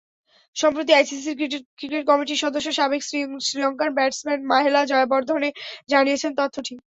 সম্প্রতি আইসিসির ক্রিকেট কমিটির সদস্য সাবেক শ্রীলঙ্কান ব্যাটসম্যান মাহেলা জয়াবর্ধনে জানিয়েছেন তথ্যটি।